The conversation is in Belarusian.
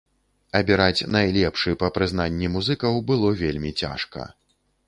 Абіраць найлепшы, па прызнанні музыкаў, было вельмі цяжка.